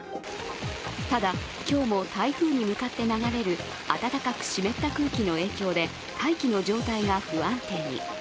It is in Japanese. ただ、今日も台風に向かって流れる暖かく湿った空気の影響で大気の状態が不安定に。